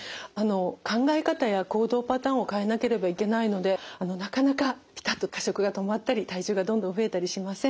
考え方や行動パターンを変えなければいけないのでなかなかピタッと過食が止まったり体重がどんどん増えたりしません。